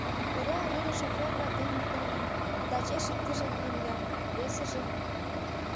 Эрла эрдене шофёр-влак дене мутланем, а тачеш иктыже мый лиям, весыже...